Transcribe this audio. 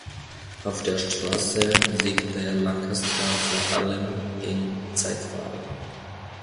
Auf der Straße siegte Lancaster vor allem in Zeitfahren.